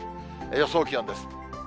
予想気温です。